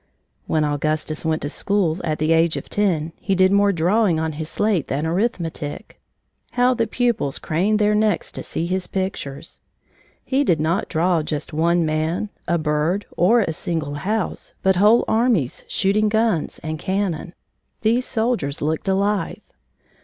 When Augustus went to school, at the age of ten, he did more drawing on his slate than arithmetic. How the pupils craned their necks to see his pictures! He did not draw just one man, a bird, or a single house, but whole armies shooting guns and cannon. These soldiers looked alive.